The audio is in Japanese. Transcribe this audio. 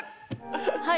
はい。